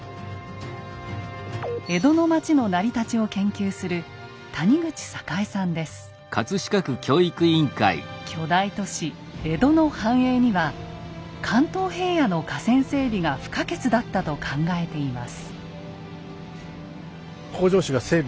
江戸の町の成り立ちを研究する巨大都市江戸の繁栄には関東平野の河川整備が不可欠だったと考えています。